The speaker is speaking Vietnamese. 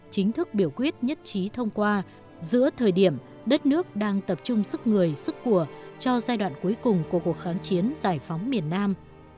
chính thức biểu quyết nhất trí thông qua giữa thời điểm đất nước đang tập trung sức người sức của cho giai đoạn cuối cùng của cuộc kháng chiến giải phóng miền nam